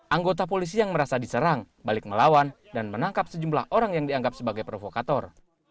anggota polisi yang merasa diserang balik melawan dan menangkap sejumlah orang yang dianggap sebagai provokator